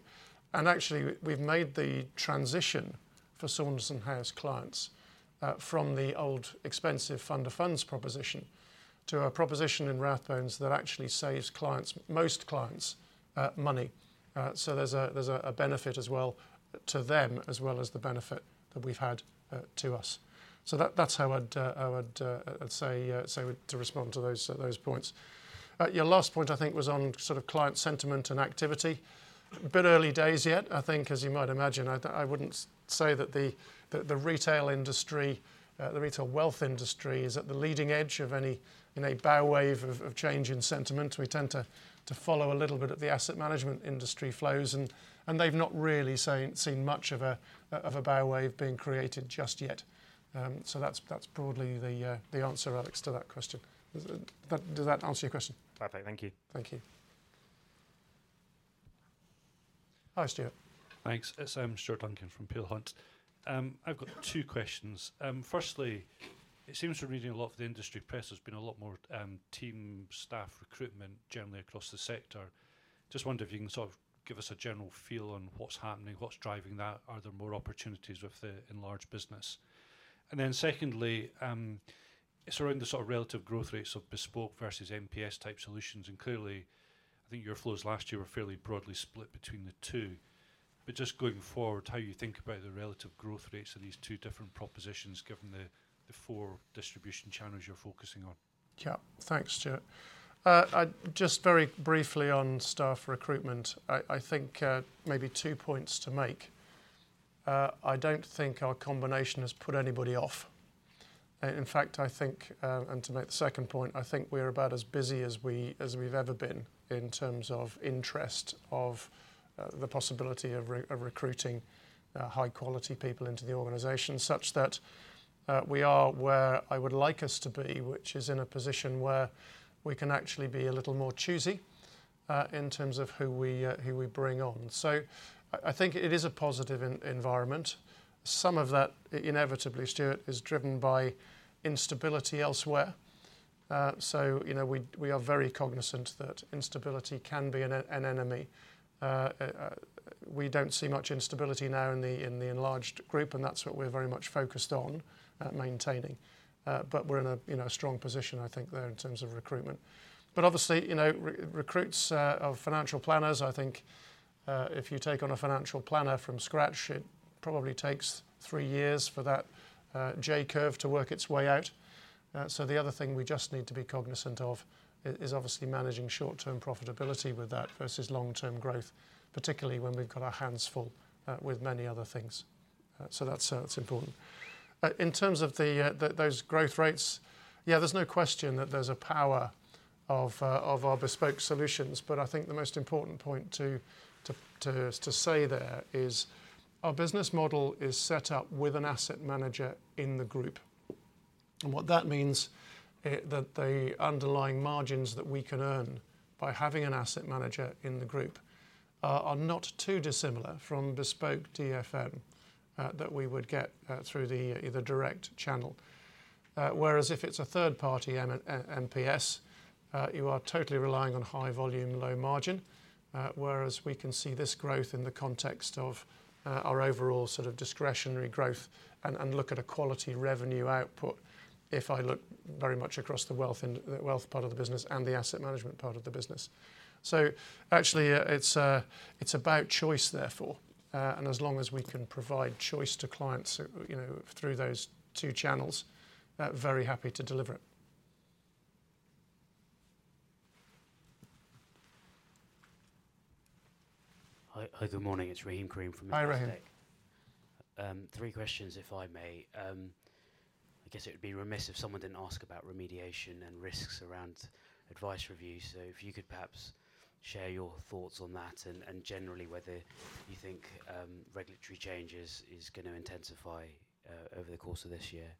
And actually, we've made the transition for Saunderson House clients from the old expensive fund to funds proposition to a proposition in Rathbones that actually saves clients, most clients, money. So there's a benefit as well to them, as well as the benefit that we've had to us. So that's how I'd say to respond to those points. Your last point, I think, was on sort of client sentiment and activity. A bit early days yet. I think, as you might imagine, I wouldn't say that the retail industry, the retail wealth industry, is at the leading edge of any bow wave of change in sentiment. We tend to follow a little bit of the asset management industry flows, and they've not really seen much of a bow wave being created just yet. So that's broadly the answer, Alex, to that question. Does that answer your question? Perfect. Thank you. Thank you. Hi, Stuart. Thanks. It's Stuart Duncan from Peel Hunt. I've got two questions. Firstly, it seems from reading a lot of the industry press, there's been a lot more team staff recruitment generally across the sector. Just wonder if you can sort of give us a general feel on what's happening, what's driving that? Are there more opportunities with the enlarged business? And then secondly, it's around the sort of relative growth rates of bespoke versus MPS-type solutions, and clearly, I think your flows last year were fairly broadly split between the two. But just going forward, how you think about the relative growth rates of these two different propositions, given the four distribution channels you're focusing on? Yeah. Thanks, Stuart. Just very briefly on staff recruitment, I think maybe two points to make. I don't think our combination has put anybody off. In fact, I think, and to make the second point, I think we're about as busy as we, as we've ever been in terms of interest of, the possibility of recruiting, high-quality people into the organization, such that, we are where I would like us to be, which is in a position where we can actually be a little more choosy, in terms of who we, who we bring on. So I think it is a positive environment. Some of that, inevitably, Stuart, is driven by instability elsewhere. So you know, we are very cognizant that instability can be an enemy. We don't see much instability now in the enlarged group, and that's what we're very much focused on maintaining. But we're in a strong position, I think, there in terms of recruitment. But obviously, you know, recruits of financial planners, I think, if you take on a financial planner from scratch, it probably takes three years for that J-curve to work its way out. So the other thing we just need to be cognizant of is obviously managing short-term profitability with that versus long-term growth, particularly when we've got our hands full with many other things. So that's, it's important. In terms of the those growth rates, yeah, there's no question that there's a power of our bespoke solutions, but I think the most important point to say there is our business model is set up with an asset manager in the group. And what that means that the underlying margins that we can earn by having an asset manager in the group are not too dissimilar from bespoke DFM that we would get through the direct channel. Whereas if it's a third party MPS, you are totally relying on high volume, low margin. Whereas we can see this growth in the context of our overall sort of discretionary growth and look at a quality revenue output if I look very much across the wealth and the wealth part of the business. So actually, it's about choice therefore, and as long as we can provide choice to clients, you know, through those two channels, very happy to deliver it. Hi. Hi, good morning. It's Rahim Karim from Investec. Hi, Rahim. Three questions, if I may. I guess it would be remiss if someone didn't ask about remediation and risks around advice review. So if you could perhaps share your thoughts on that and generally whether you think regulatory changes is gonna intensify over the course of this year.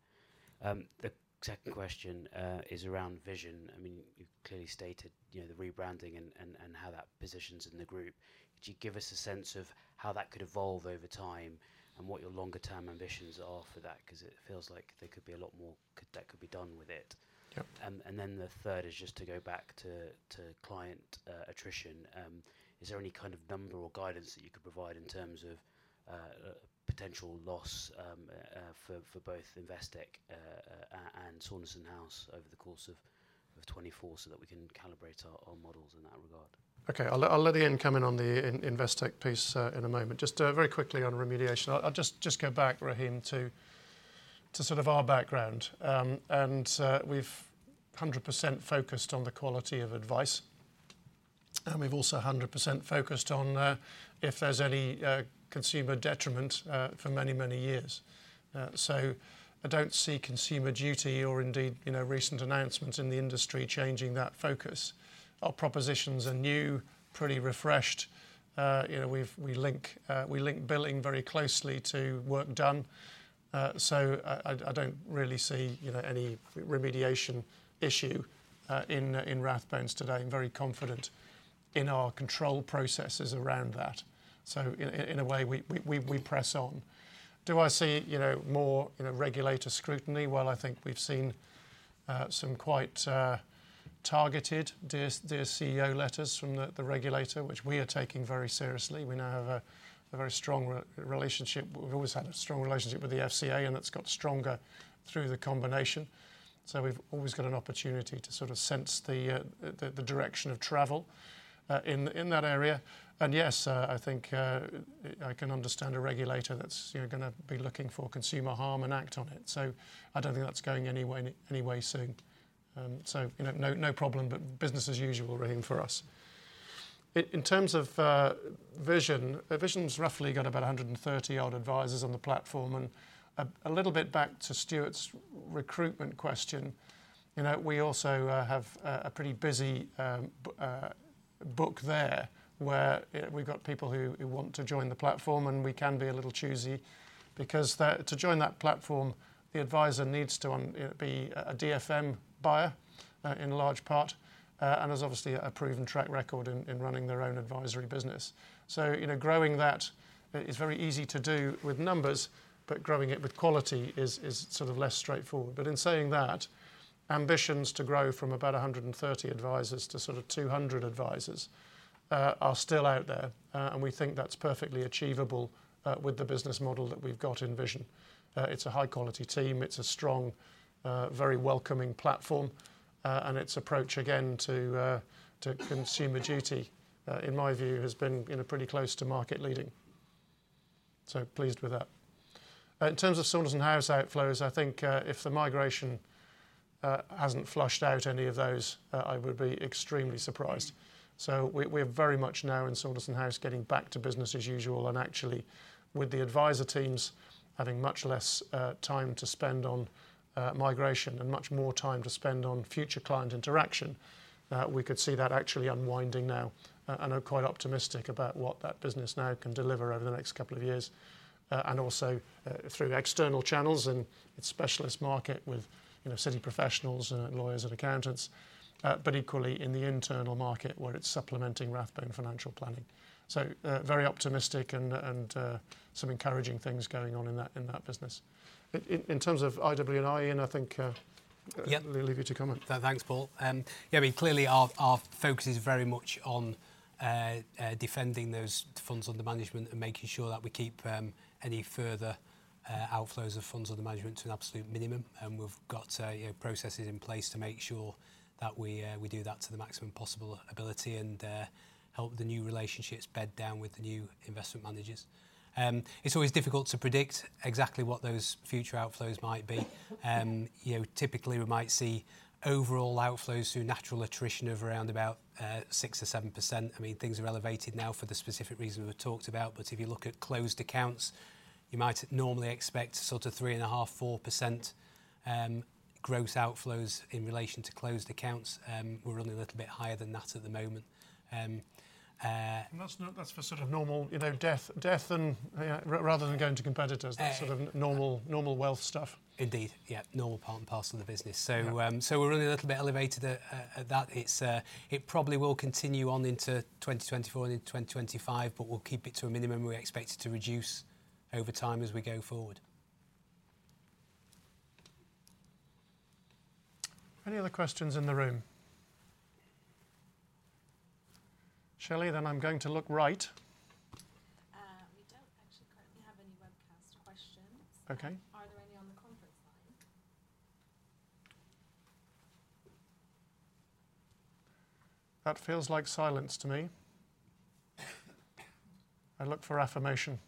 The second question is around Vision. I mean, you've clearly stated, you know, the rebranding and how that positions in the group. Could you give us a sense of how that could evolve over time and what your longer-term ambitions are for that? 'Cause it feels like there could be a lot more that could be done with it. Yep. And then the third is just to go back to client attrition. Is there any kind of number or guidance that you could provide in terms of potential loss for both Investec and Saunderson House over the course of 2024, so that we can calibrate our models in that regard? Okay. I'll let Iain come in on the Investec piece in a moment. Just very quickly on remediation. I'll just go back, Rahim, to sort of our background. And we've 100% focused on the quality of advice. And we've also 100% focused on, if there's any consumer detriment, for many, many years. So I don't see Consumer Duty or indeed, you know, recent announcements in the industry changing that focus. Our propositions are new, pretty refreshed. You know, we link billing very closely to work done. So I don't really see, you know, any remediation issue in Rathbones today. I'm very confident in our control processes around that. So in a way, we press on. Do I see, you know, more regulator scrutiny? Well, I think we've seen some quite targeted Dear CEO letters from the regulator, which we are taking very seriously. We now have a very strong relationship. We've always had a strong relationship with the FCA, and that's got stronger through the combination. So we've always got an opportunity to sort of sense the direction of travel in that area. And yes, I think I can understand a regulator that's, you know, gonna be looking for consumer harm and act on it. So I don't think that's going anywhere soon. So, you know, no problem, but business as usual really for us. In terms of Vision, Vision's roughly got about 130-odd advisors on the platform, and a little bit back to Stuart's recruitment question, you know, we also have a pretty busy book there, where we've got people who want to join the platform, and we can be a little choosy, because to join that platform, the advisor needs to be a DFM buyer in large part, and there's obviously a proven track record in running their own advisory business. So, you know, growing that is very easy to do with numbers, but growing it with quality is sort of less straightforward. But in saying that, ambitions to grow from about 130 advisors to sort of 200 advisors are still out there, and we think that's perfectly achievable with the business model that we've got in Vision. It's a high-quality team, it's a strong, very welcoming platform, and its approach, again, to Consumer Duty, in my view, has been, you know, pretty close to market leading. So pleased with that. In terms of Saunderson House outflows, I think if the migration hasn't flushed out any of those, I would be extremely surprised. So we, we're very much now in Saunderson House getting back to business as usual, and actually, with the advisor teams having much less time to spend on migration and much more time to spend on future client interaction, we could see that actually unwinding now. And I'm quite optimistic about what that business now can deliver over the next couple of years, and also, through external channels and its specialist market with, you know, city professionals, lawyers and accountants, but equally in the internal market where it's supplementing Rathbone Financial Planning. So, very optimistic and, some encouraging things going on in that, in that business. In terms of IW&I, and I think, Yeah. I'll leave you to comment. Thanks, Paul. Yeah, I mean, clearly our focus is very much on defending those funds under management and making sure that we keep any further outflows of funds under management to an absolute minimum. And we've got, you know, processes in place to make sure that we do that to the maximum possible ability and help the new relationships bed down with the new investment managers. It's always difficult to predict exactly what those future outflows might be. You know, typically, we might see overall outflows through natural attrition of around about 6% or 7%. I mean, things are elevated now for the specific reason we've talked about. But if you look at closed accounts, you might normally expect sort of 3.5%-4% gross outflows in relation to closed accounts. We're running a little bit higher than that at the moment. And that's not, that's for sort of normal, you know, death and, yeah, rather than going to competitors, that sort of normal, normal wealth stuff. Indeed. Yeah, normal part and parcel of the business. Yeah. So, we're running a little bit elevated at that. It probably will continue on into 2024 and into 2025, but we'll keep it to a minimum. We expect it to reduce over time as we go forward. Any other questions in the room? Shelly, then I'm going to look right. We don't actually currently have any webcast questions. Okay. Are there any on the conference line? That feels like silence to me. I look for affirmation.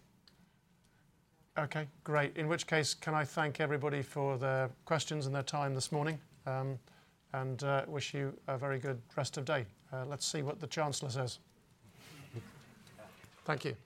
Okay, great. In which case, can I thank everybody for their questions and their time this morning, and wish you a very good rest of day. Let's see what the chancellor says. Thank you. Thank you.